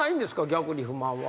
逆に不満は。